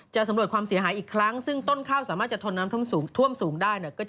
สำรวจความเสียหายอีกครั้งซึ่งต้นข้าวสามารถจะทนน้ำท่วมสูงได้เนี่ย